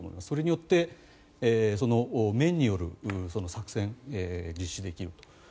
それによって、面による作戦を実施できると。